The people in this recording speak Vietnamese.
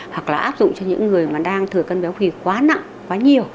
hoặc là áp dụng cho những người mà đang thừa cân béo phì quá nặng quá nhiều